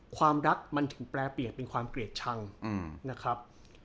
ความรักมันถึงแปรเปลี่ยนเป็นความเกลียดชังนะครับ